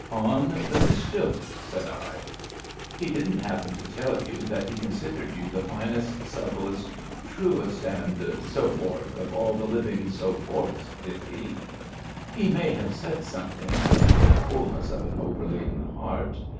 'On the mischief! '* said I. He didn't happen to tell you that he con sidered you the finest, subtlest, truest, and so forth , of all the living so forths, did he? ''He may have said something out of the ful ness of an overladen heart.